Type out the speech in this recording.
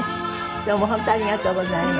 どうも本当ありがとうございました。